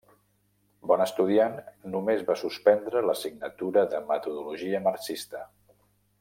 Bon estudiant, només va suspendre l'assignatura de Metodologia marxista.